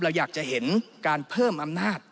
เราอยากจะเห็นการเพิ่มอำนาจ